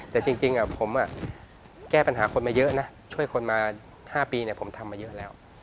แต่จริงผมแก้ปัญหาคนมาเยอะนะช่วยคนมา๕ปีผมทำมาเยอะแล้ว